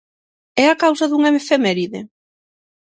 É a causa dunha efeméride?